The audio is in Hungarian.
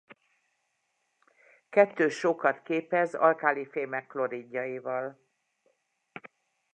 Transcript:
Kettős sókat képez alkálifémek kloridjaival.